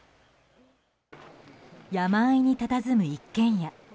山あいにたたずむ一軒家。